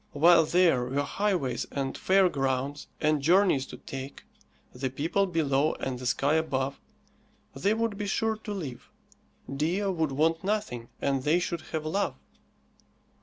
While there were highways and fairgrounds, and journeys to take, the people below and the sky above, they would be sure to live, Dea would want nothing, and they should have love.